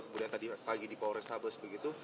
kemudian tadi lagi di polres tabes begitu